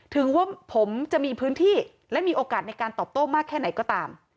ถึงว่าผมจะมีพื้นที่และมีโอกาสในการตอบโต้มากแค่ไหนก็ตาม